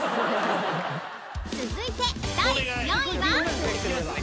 ［続いて第４位は？］